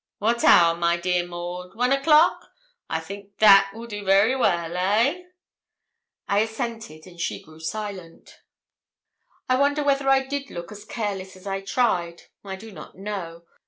'Wat hour, my dear Maud? One o'clock? I think that weel de very well, eh?' I assented, and she grew silent. I wonder whether I did look as careless as I tried. I do not know.